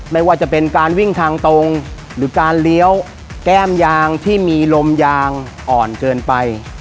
ไม่ว่าจะเป็นการวิ่งทางตรงหรือการเลี้ยวแก้มยางที่มีลมยางอ่อนเกินไป